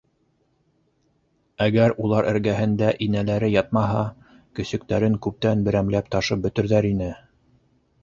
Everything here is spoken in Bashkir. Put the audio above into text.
Әгәр улар эргәһендә инәләре ятмаһа, көсөктәрен күптән берәмләп ташып бөтөрҙәр ине.